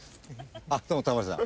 あっどうもタモリさん。